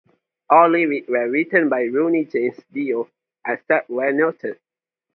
All lyrics were written by Ronnie James Dio except where noted.